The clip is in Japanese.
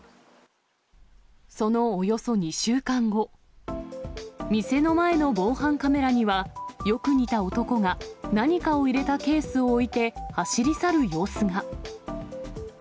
そのおよそ２週間後、店の前の防犯カメラには、よく似た男が、何かを入れたケースを置いて走り去る様子が。